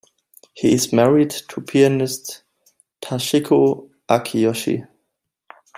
He is married to pianist Toshiko Akiyoshi.